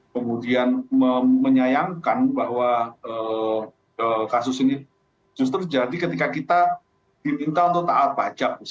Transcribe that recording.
kemudian menyayangkan bahwa kasus ini justru jadi ketika kita diminta untuk taat pajak